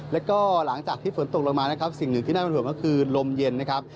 แล้วก็หลังจากที่ฝนตกลงมานะครับสิ่งหนึ่งที่น่าเป็นห่วงก็คือลมเย็นนะครับ